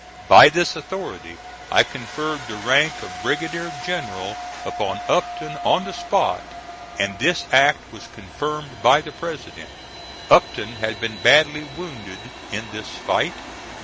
By this authority I conferred the rank of brigadier general upon Upton on the spot, and this act was confirmed by the President. Upton had been badly wounded in this fight.